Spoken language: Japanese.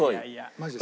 マジで？